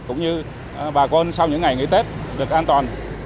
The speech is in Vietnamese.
cũng như bà con sau những ngày nghỉ tết được an toàn